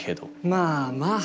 まあまあ。